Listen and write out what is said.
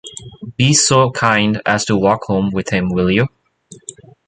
Be so kind as to walk home with him, will you?